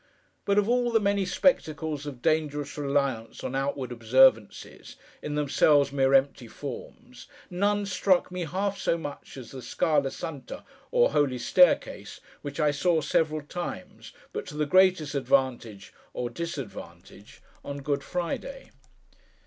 But, of all the many spectacles of dangerous reliance on outward observances, in themselves mere empty forms, none struck me half so much as the Scala Santa, or Holy Staircase, which I saw several times, but to the greatest advantage, or disadvantage, on Good Friday.